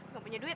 gak punya duit